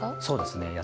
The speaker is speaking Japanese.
そうですね。